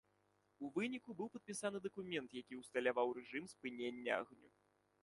У выніку, быў падпісаны дакумент, які усталяваў рэжым спынення агню.